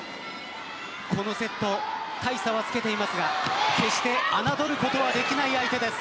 このセット大差をつけていますが決して侮ることはできない相手です。